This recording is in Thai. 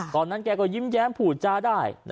ตอนนั้นแกก็ยิ้มแย้มผูดจ้าได้